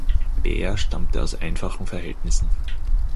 Baer stammte aus einfachen Verhältnissen.